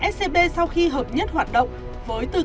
scb sau khi hợp nhất hoạt động